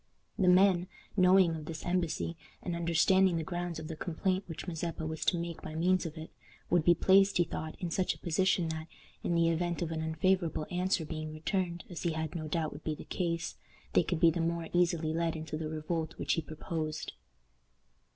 The men, knowing of this embassy, and understanding the grounds of the complaint which Mazeppa was to make by means of it, would be placed, he thought, in such a position that, in the event of an unfavorable answer being returned, as he had no doubt would be the case, they could be the more easily led into the revolt which he proposed.